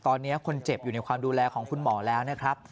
ตอนนี้คนเจ็บอยู่ในความดูแลของคุณหมอแล้วนะครับ